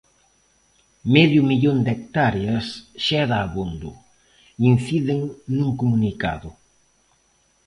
Medio millón de hectáreas xa é de abondo, inciden nun comunicado.